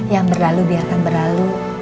yang berlalu biarkan berlalu